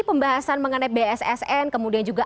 pembahasan mengenai bssn kemudian juga